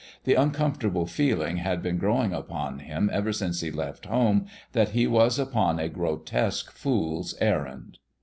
The uncomfortable feeling had been growing upon him ever since he left home that he was upon a grotesque fool's errand.